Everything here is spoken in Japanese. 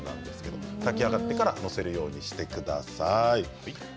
炊き上がってから載せるようにしてください。